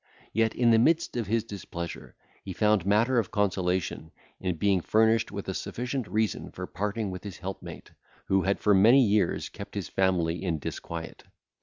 Yet, in the midst of his displeasure, he found matter of consolation, in being furnished with a sufficient reason for parting with his helpmate, who had for many years kept his family in disquiet.